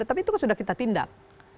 tapi itu kan sudah kita tindak